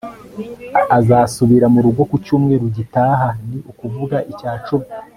Azasubira murugo ku cyumweru gitaha ni ukuvuga icya cumi